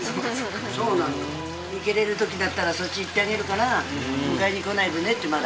そうなのよいけれるときだったらそっちいってあげるから迎えにこないでねってまだ。